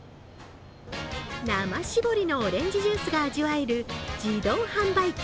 生搾りのオレンジジュースが味わえる自動販売機。